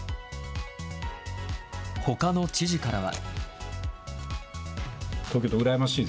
ほかの知事からは。